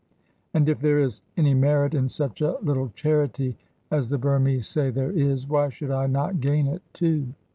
And if there is any merit in such little charity, as the Burmese say there is, why should I not gain it, too?